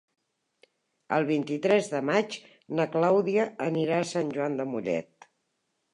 El vint-i-tres de maig na Clàudia anirà a Sant Joan de Mollet.